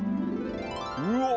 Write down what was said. うわっ！